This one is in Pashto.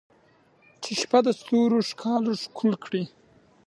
چې شپه د ستورو ښکالو ښکل کړي